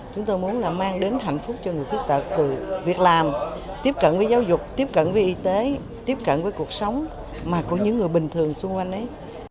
chúng tôi muốn là mang đến hạnh phúc cho người khuyết tật từ việc làm tiếp cận với giáo dục tiếp cận với y tế tiếp cận với cuộc sống mà của những người bình thường xung quanh ấy